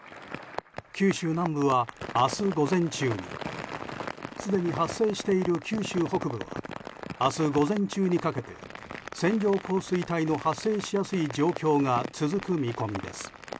九州南部は明日午前中にすでに発生している九州北部は明日午前中にかけて線状降水帯の発生しやすい状況が続く見込みです。